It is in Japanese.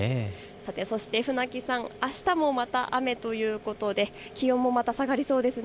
そして船木さん、あしたもまた雨ということで、気温もまた下がりそうですね。